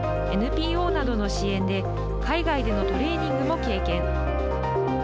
ＮＰＯなどの支援で海外でのトレーニングも経験。